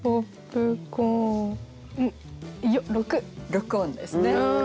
六音ですね。